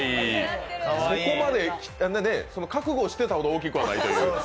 覚悟していたほど大きくはないという。